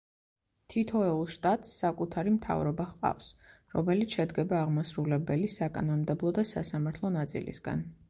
თითოეულ შტატს საკუთარი მთავრობა ჰყავს, რომელიც შედგება აღმასრულებელი, საკანონმდებლო და სასამართლო ნაწილისგან.